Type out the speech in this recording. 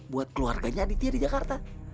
buat keluarganya aditya di jakarta